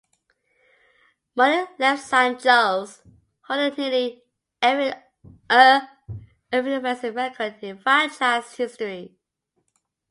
Marleau left San Jose holding nearly every offensive record in franchise history.